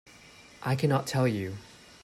I cannot tell you.